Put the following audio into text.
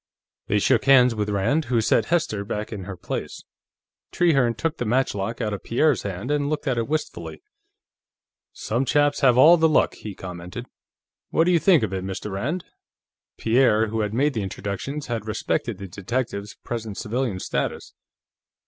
They shook hands with Rand, who set Hester back in her place. Trehearne took the matchlock out of Pierre's hands and looked at it wistfully. "Some chaps have all the luck," he commented. "What do you think of it, Mr. Rand?" Pierre, who had made the introductions, had respected the detective's present civilian status.